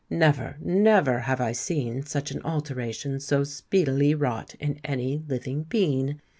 Never—never have I seen such an alteration so speedily wrought in any living being!